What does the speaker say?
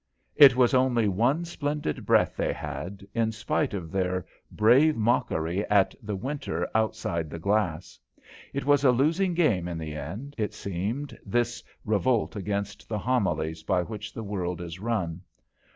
It was only one splendid breath they had, in spite of their brave mockery at the winter outside the glass. It was a losing game in the end, it seemed, this revolt against the homilies by which the world is run.